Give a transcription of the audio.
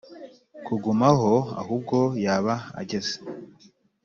kugumaho ahubwo yaba ageze